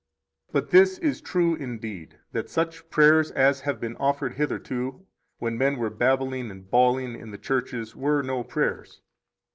7 But this is true indeed that such prayers as have been offered hitherto when men were babbling and bawling in the churches were no prayers.